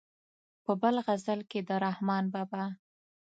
په بل غزل کې د رحمان بابا.